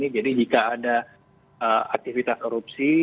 jadi jika ada aktivitas erupsi